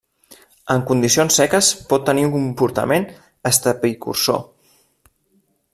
En condicions seques pot tenir un comportament estepicursor.